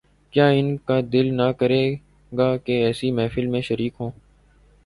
کیا ان کا دل نہ کرے گا کہ ایسی محفل میں شریک ہوں۔